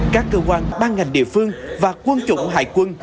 các cơ quan ban ngành địa phương và quân chủng hải quân